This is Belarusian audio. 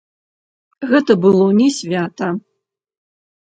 Гэта было не свята!